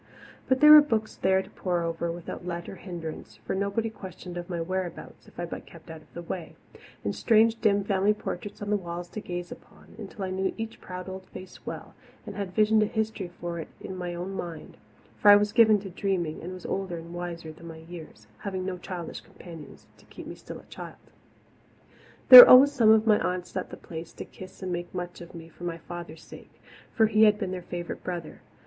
But there were books there to pore over without let or hindrance for nobody questioned of my whereabouts if I but kept out of the way and strange, dim family portraits on the walls to gaze upon, until I knew each proud old face well, and had visioned a history for it in my own mind for I was given to dreaming and was older and wiser than my years, having no childish companions to keep me still a child. There were always some of my aunts at the Place to kiss and make much of me for my father's sake for he had been their favourite brother.